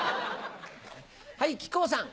はい木久扇さん。